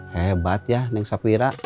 hebat ya neng safira